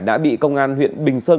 đã bị công an huyện bình sơn